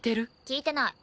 聞いてない。